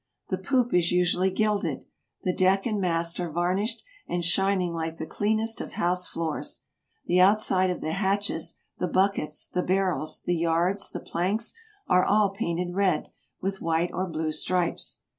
The poop is usually gilded. The deck and mast are varnished and shining like the cleanest of house floors. The outside of the hatches, EUROPE 203 the buckets, the barrels, the yards, the planks, are all painted red, with white or blue stripes.